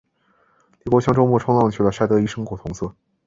李国强周末冲浪去了，晒得一身古铜色。